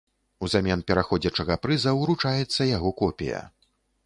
Узамен пераходзячага прыза ўручаецца яго копія.